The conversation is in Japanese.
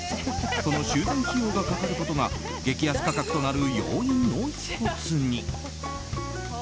その修繕費用がかかることが激安価格となる要因の１つに。